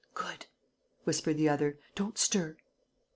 "Good!" whispered the other. "Don't stir."